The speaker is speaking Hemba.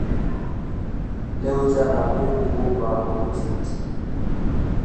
Leya uchala na bunvu bwa gogwa mutindi.